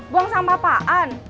buang sampah apaan